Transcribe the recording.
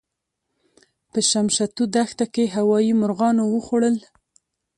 په شمشتو دښته کې هوايي مرغانو وخوړل.